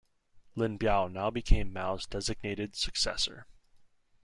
Lin Biao now became Mao's designated successor.